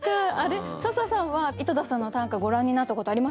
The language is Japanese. で笹さんは井戸田さんの短歌ご覧になったことありますか？